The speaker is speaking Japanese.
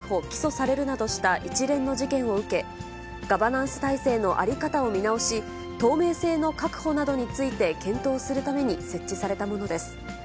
日本大学再生会議は、前理事長の田中英壽被告が脱税容疑で逮捕・起訴されるなどした一連の事件を受け、ガバナンス体制の在り方を見直し、透明性の確保などについて検討するために設置されたものです。